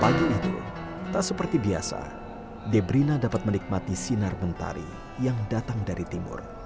pagi itu tak seperti biasa debrina dapat menikmati sinar mentari yang datang dari timur